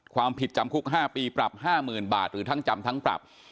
ความผิดจำคุก๕ปีปรับ๕๐๐๐บาทหรือทั้งจำทั้งปรับ